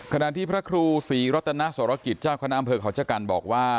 ขณะที่พระครูศรีรัตนสรกิจเจ้าคณะอำเภอเขาชะกันบอกว่า